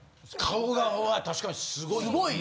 顔確かにすごい。